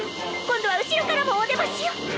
今度は後ろからもおでましよ！